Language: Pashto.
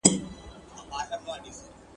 که ښوونځي آباد شي نو زندانونه نه ډکیږي.